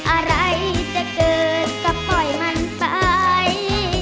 อะไรจะเกิดก็ปล่อยมันไป